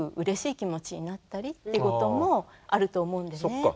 そっか。